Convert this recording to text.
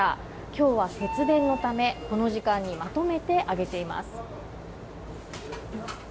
今日は節電のため、この時間にまとめて揚げています。